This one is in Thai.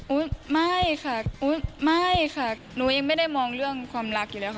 ไม่ค่ะอุ๊ยไม่ค่ะหนูยังไม่ได้มองเรื่องความรักอยู่แล้วค่ะ